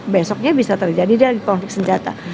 besoknya bisa terjadi dari konflik senjata